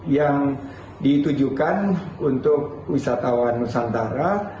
yang ditujukan untuk wisatawan nusantara